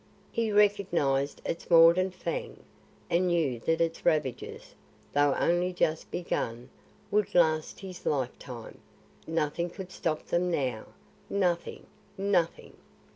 He recognised its mordant fang, and knew that its ravages, though only just begun, would last his lifetime. Nothing could stop them now, nothing, nothing.